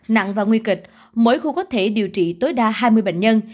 nặng và nguy kịch mỗi khu có thể điều trị tối đa hai mươi bệnh nhân